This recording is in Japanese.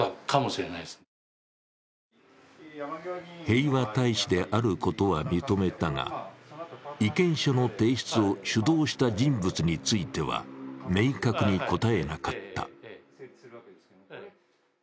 平和大使であることは認めたが、意見書の提出を主導した人物については、明確に答えなかった。